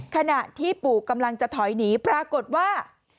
ขณะที่ปู่กำลังจะถอยหนีปรากฏว่า